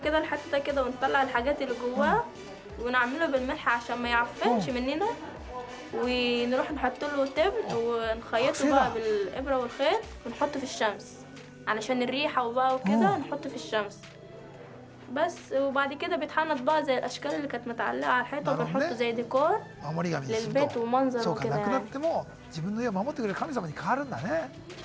そうか亡くなっても自分の家を守ってくれる神様に変わるんだね。